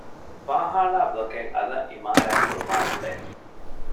ފާޚާނާ ބްލޮކެއް އަލަށް އިމާރާތް ކުރުމާގުޅޭ